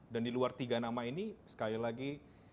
dan di luar tiga nama ini sekali lagi